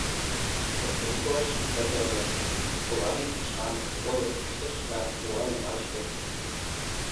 Поктен шуаш, пырля лияш», — Кулагин шканже ойым ыштыш: да уа йымач лекте.